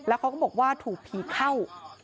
เขาก็บอกว่าถูกผีเข้า